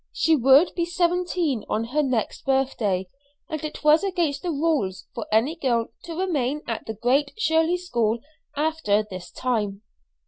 She would be seventeen on her next birthday, and it was against the rules for any girl to remain at the Great Shirley School after that time.